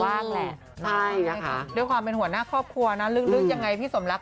ว่าหมอดูเคยทักตั้งแต่แรกแล้วว่าพ่อทำอะไรก็จะไม่รุ่ง